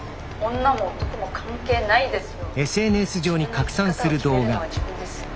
「女も男も関係ないですよ」。